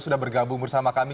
sudah bergabung bersama kami